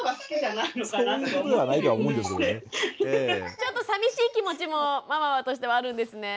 ちょっとさみしい気持ちもママとしてはあるんですね。